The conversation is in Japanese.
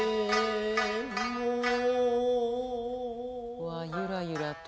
うわゆらゆらと。